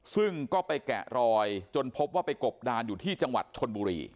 ซึ่งก็ไปแกะรอยจนพบว่าไปกบดานอยู่ที่จังหวัดชนบุรี